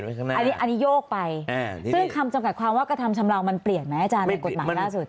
อันนี้โยกไปซึ่งคำจำกัดความว่ากระทำชำราวมันเปลี่ยนไหมอาจารย์ในกฎหมายล่าสุด